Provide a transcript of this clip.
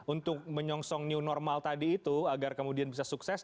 untuk menyongsong new normal tadi itu agar kemudian bisa sukses